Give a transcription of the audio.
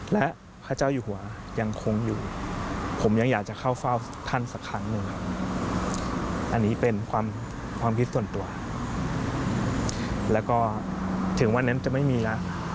แล้วก็ถึงวันนั้นจะไม่มีละ